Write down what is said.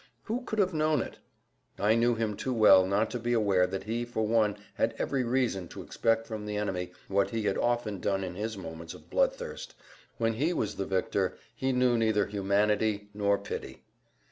Who could have known it?" I knew him too well not to be aware that he for one had every reason to expect from the enemy what he had often done in his moments of bloodthirst; when he was the "victor" he knew neither humanity nor pity.